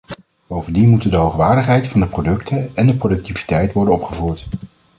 Bovendien moeten de hoogwaardigheid van de producten en de productiviteit worden opgevoerd.